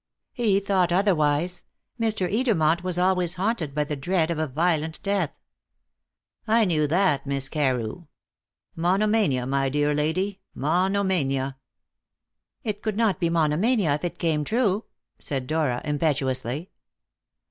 "He thought otherwise. Mr. Edermont was always haunted by the dread of a violent death." "I knew that, Miss Carew. Monomania, my dear lady monomania." "It could not be monomania if it came true," said Dora impetuously.